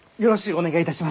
お願いいたします！